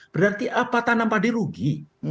berarti apa tanam padi rugi